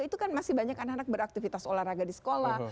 itu kan masih banyak anak anak beraktivitas olahraga di sekolah